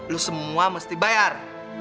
lo semua mesti bayar